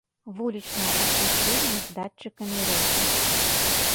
Вулічнае асвятленне з датчыкамі руху.